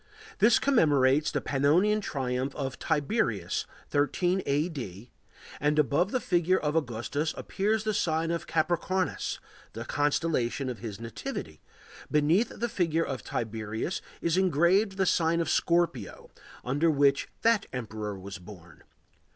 This commemorates the Pannonian triumph of Tiberius, 13 A.D., and above the figure of Augustus appears the sign of Capricornus, the constellation of his nativity; beneath the figure of Tiberius is engraved the sign of Scorpio, under which that emperor was born.